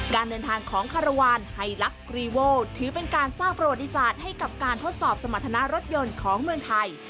การเดินทางของคารวาลไฮลักษ์กรีโวลถือเป็นการสร้างประวัติศาสตร์ให้กับการทดสอบสมรรถนารถยนต์ของเมืองไทย